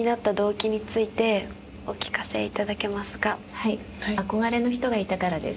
はい憧れの人がいたからです。